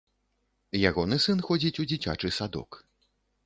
Ягоны сын ходзіць у дзіцячы садок.